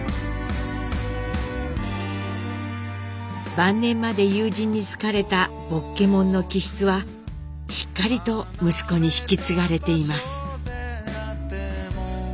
晩年まで友人に好かれた「ぼっけもん」の気質はしっかりと息子に引き継がれています。